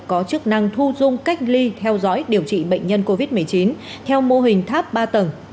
có chức năng thu dung cách ly theo dõi điều trị bệnh nhân covid một mươi chín theo mô hình tháp ba tầng